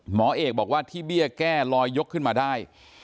หมอเอกบอกว่าที่เบี้ยแก้ลอยยกขึ้นมาได้